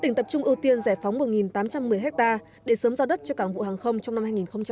tỉnh tập trung ưu tiên giải phóng một tám trăm một mươi hectare để sớm giao đất cho cảng vụ hàng không trong năm hai nghìn hai mươi